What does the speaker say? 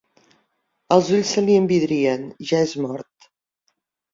Els ulls se li envidrien: ja és mort.